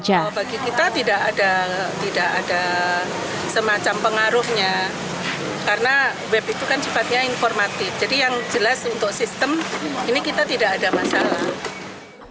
jadi yang jelas untuk sistem ini kita tidak ada masalah